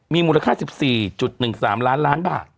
มีมูลค่า๑๔๑๓ล้านบาท